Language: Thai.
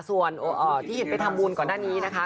ส่วนที่เห็นไปทำบุญก่อนหน้านี้นะคะ